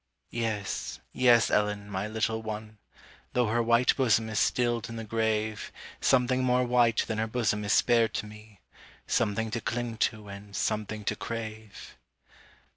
Yes, yes, Ellen, my little one. Though her white bosom is stilled in the grave, Something more white than her bosom is spared to me, Something to cling to and something to crave.